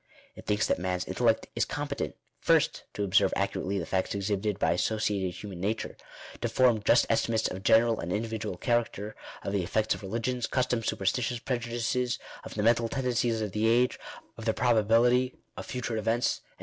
It thinks that mans intellect is competent, first, to observe accurately the facts exhibited by associated human nature; to form just estimates of general and individual charac ter, of the effects of religions, customs, superstitions, preju dices, of the mental tendencies of the age, of the probabilities of future events, &c.